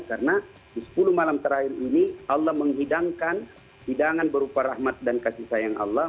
karena di sepuluh malam terakhir ini allah menghidangkan hidangan berupa rahmat dan kasih sayang allah